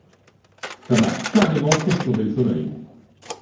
Ça m’a carrément perturbé le sommeil.